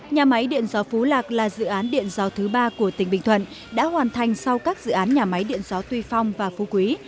nhà máy điện gió phú lạc là dự án điện gió thứ ba của tỉnh bình thuận đã hoàn thành sau các dự án nhà máy điện gió tuy phong và phú quý